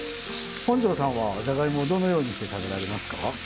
本上さんはじゃがいもをどのようにして食べられますか？